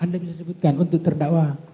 anda bisa sebutkan untuk terdakwa